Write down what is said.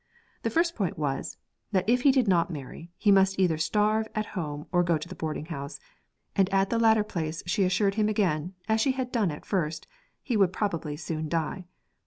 The first point was, that if he did not marry, he must either starve at home or go to the boarding house, and at the latter place she assured him again, as she had done at first, he would probably soon die.